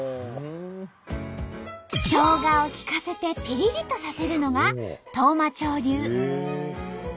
ショウガをきかせてピリリとさせるのが当麻町流。